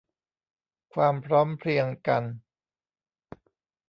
ความพร้อมเพรียงกัน